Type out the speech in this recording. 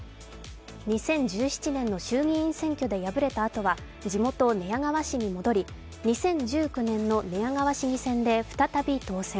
２０１７年の衆議院選挙で敗れたあとは地元・寝屋川市に戻り、２０１９年の寝屋川市議選で再び当選。